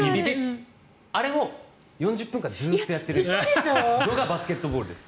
あれを４０分間ずっとやってるのがバスケットボールです。